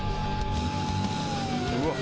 うわっ！